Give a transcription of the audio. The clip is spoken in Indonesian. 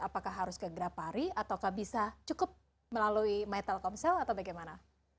apakah harus ke grafari ataukah bisa cukup melalui my telkomsel atau bagaimana